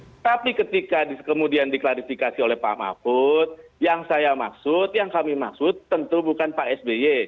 tetapi ketika kemudian diklarifikasi oleh pak mahfud yang saya maksud yang kami maksud tentu bukan pak sby